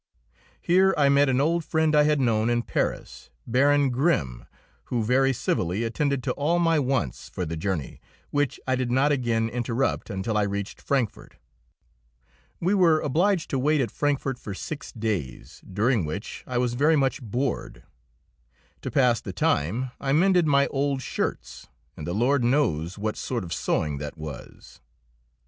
Here I met an old friend I had known in Paris, Baron Grimm, who very civilly attended to all my wants for the journey, which I did not again interrupt until I reached Frankfort. We were obliged to wait at Frankfort six days, during which I was very much bored. To pass the time I mended my old shirts, and the Lord knows what sort of sewing that was!